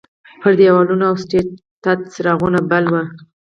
پر دیوالونو او سټیج تت څراغونه بل وو.